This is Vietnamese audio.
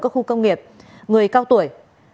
các khu công nghiệp người cao tuổi